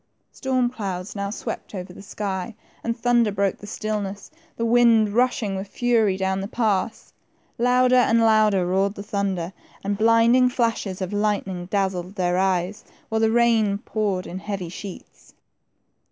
Storm clouds now swept over the sky, and thunder broke the stillness, the wind rushing with fury down the pass. Louder and louder roared the thunder, and blinding flashes of lightning dazzled their eyes, while the rain poured in heavy sheets.